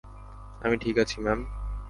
আমি ঠিক আছি ম্যাম।